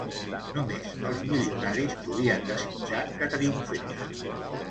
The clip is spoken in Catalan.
Només els milionaris podien desitjar que triomfés.